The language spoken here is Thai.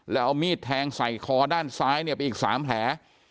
แล้วเอามีดแทงใส่คอด้านซ้ายเนี่ยไปอีก๓แผล